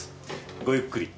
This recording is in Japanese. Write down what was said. ごゆっくり。